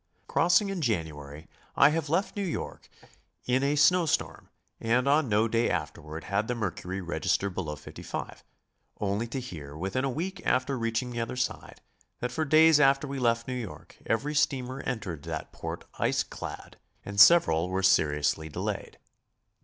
Crossing in January, I have left New York in a snow storm, and on no day afterward had the mercury register below 55, only to hear within a week after reaching the other side that for days after we left New York every steamer entered th?t port ice clad, and several were seriously delayed.